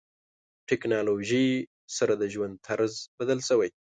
ټکنالوژي سره د ژوند طرز بدل شوی.